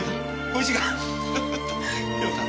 おいしいか。